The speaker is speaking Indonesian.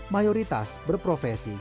mayoritas berprofesi sebagai petani